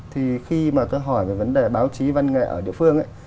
thì khi mà tôi hỏi về vấn đề báo chí văn nghệ ở địa phương ấy